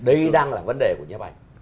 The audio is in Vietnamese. đây đang là vấn đề của nhà báo chí